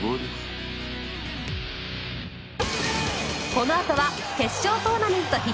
このあとは決勝トーナメント必見！